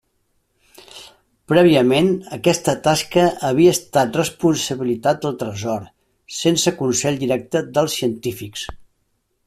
Prèviament aquesta tasca havia estat responsabilitat del Tresor sense consell directe dels científics.